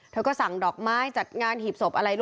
เธอก็สั่งดอกไม้จัดงานหีบศพอะไรลูก